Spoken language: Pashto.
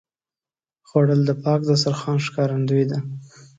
خوړل د پاک دسترخوان ښکارندویي ده